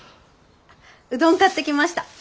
うどん買ってきました。